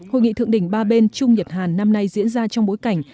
hội nghị thượng đỉnh ba bên trung nhật hàn năm nay diễn ra trong bối cảnh